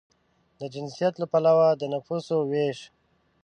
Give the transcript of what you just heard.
د جنسیت له پلوه د نفوسو وېش